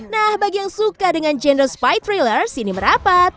nah bagi yang suka dengan genre spy thriller sini merapat